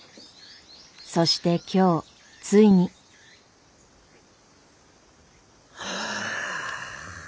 そして今日ついに。はあ。